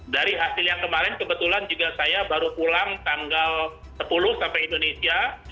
dari hasil yang kemarin kebetulan juga saya baru pulang tanggal sepuluh sampai indonesia